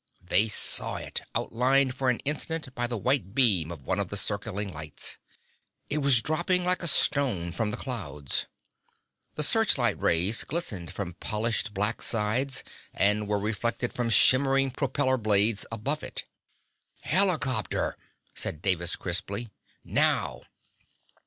They saw it, outlined for an instant by the white beam of one of the circling lights. It was dropping like a stone from the clouds. The searchlight rays glistened from polished black sides and were reflected from shimmering propeller blades above it. "Helicopter," said Davis crisply. "Now!"